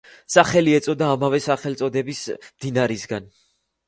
სახელი ეწოდა ამავე სახელწოდების მდინარისგან.